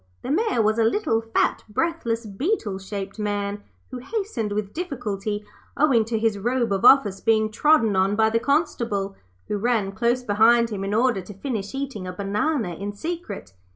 The Mayor was a little, fat, breathless, beetle shaped man, who hastened with difficulty owing to his robe of office being trodden on by the Constable, who ran close behind him in order to finish eating a banana in secret.